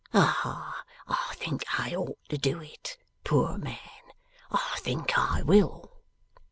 Ah! I think I ought to do it, poor man. I think I will.